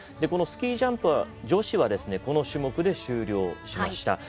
このスキージャンプは女子はこの種目で終了しました。